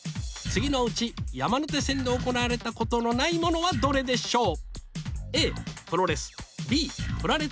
次のうち山手線で行われたことのないものはどれでしょう？